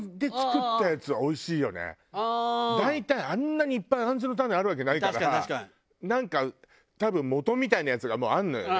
大体あんなにいっぱい杏の種あるわけないんだからなんか多分もとみたいなやつがもうあるのよね。